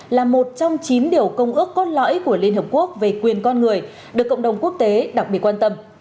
là một trong chín điều công ước cốt lõi của liên hợp quốc về quyền con người được cộng đồng quốc tế đặc biệt quan tâm